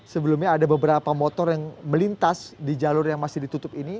sebelumnya ada beberapa motor yang melintas di jalur yang masih ditutup ini